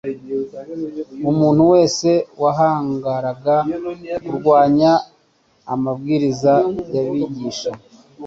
Umuntu wese wahangaraga kurwanya amabwiriza y’abigisha